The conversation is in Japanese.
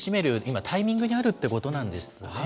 今、タイミングにあるってことなんですね。